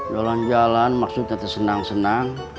jalan jalan maksudnya tetap senang senang